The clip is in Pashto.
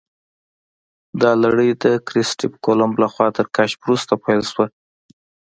دا لړۍ د کریسټف کولمب لخوا تر کشف وروسته پیل شوه.